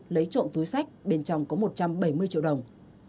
lấy trộm túi sách bên trong có một trăm bảy mươi triệu đồng